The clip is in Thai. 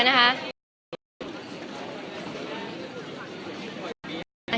นะคะ